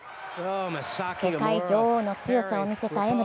世界女王の強さを見せた江村。